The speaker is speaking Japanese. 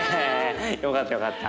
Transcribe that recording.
よかったよかった。